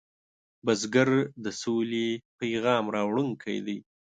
بزګر د سولې پیام راوړونکی دی